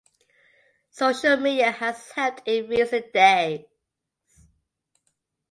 Social media has helped in recent days.